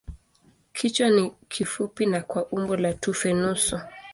Kichwa ni kifupi na kwa umbo la tufe nusu.